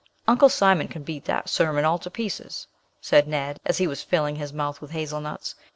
"Uncle Simon can beat dat sermon all to pieces," said Ned, as he was filling his mouth with hazelnuts.